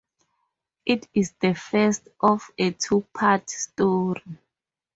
It is the first of a two-part story.